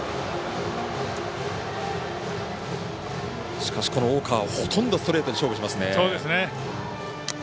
しかし、大川もほとんどストレートで勝負ですね。